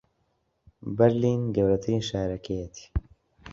بەرلین گەورەترین شارەکەیەتی